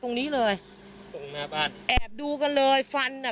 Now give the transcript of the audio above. ตรงนี้เลยตรงหน้าบ้านแอบดูกันเลยฟันอ่ะ